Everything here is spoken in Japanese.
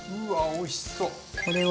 うわおいしそう！